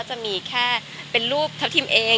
จะมีแค่เป็นรูปทัพทิมเอง